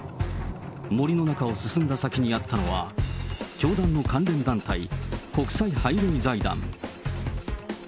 森の中を進んだ先にあったのは、教団の関連団体、国際ハイウェイ財団。